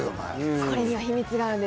これには秘密があるんです。